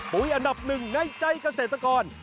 อันดับหนึ่งในใจเกษตรกร